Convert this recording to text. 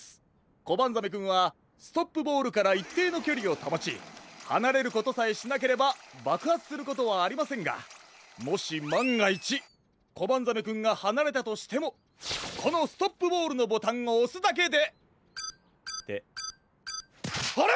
コバンザメくんはストップボールからいっていのきょりをたもちはなれることさえしなければばくはつすることはありませんがもしまんがいちコバンザメくんがはなれたとしてもこのストップボールのボタンをおすだけでってあれ？